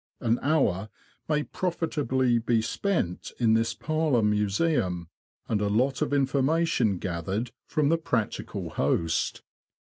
An hour may profitably be spent in this parlour museum, and a lot of infor mation gathered from the practical host.